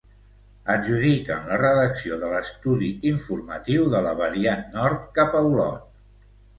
Adjudiquen la redacció de l'estudi informatiu de la variant nord cap a Olot.